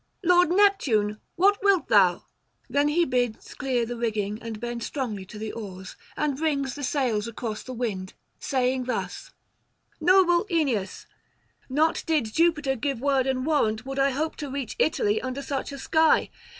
lord Neptune, what wilt thou?' Then he bids clear the rigging and bend strongly to the oars, and brings the sails across the wind, saying thus: 'Noble Aeneas, not did Jupiter give word and warrant would I hope to reach Italy under such a sky.